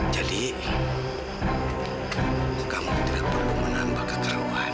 jadi kamu tidak perlu menambah kekeruhan